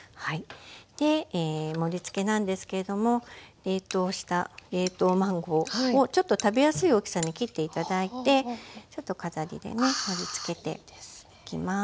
で盛りつけなんですけれども冷凍した冷凍マンゴーをちょっと食べやすい大きさに切って頂いてちょっと飾りでね盛りつけていきます。